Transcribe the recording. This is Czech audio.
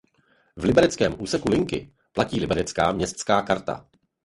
V libereckém úseku linky platí Liberecká městská karta.